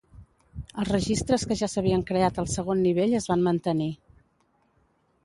Els registres que ja s'havien creat al segon nivell es van mantenir.